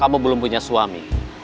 kamu belum punya suami